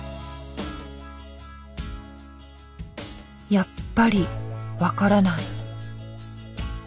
やっぱり分からない。